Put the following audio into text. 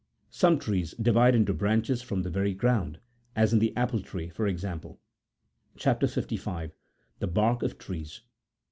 Some trees divide into branches from the very ground, as in the apple tree, for example. CHAP. 55. (31.) THE BARK OP TREES.